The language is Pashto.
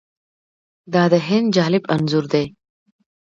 دا د هند جالب انځور دی.